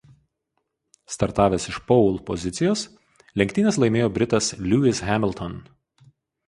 Startavęs iš pole pozicijos lenktynes laimėjo britas Lewis Hamilton.